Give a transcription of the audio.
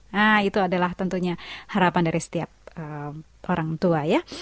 nah itu adalah tentunya harapan dari setiap orang tua ya